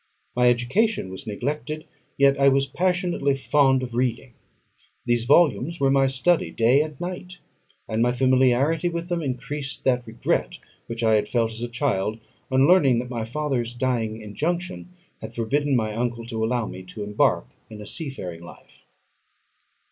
My education was neglected, yet I was passionately fond of reading. These volumes were my study day and night, and my familiarity with them increased that regret which I had felt, as a child, on learning that my father's dying injunction had forbidden my uncle to allow me to embark in a seafaring life.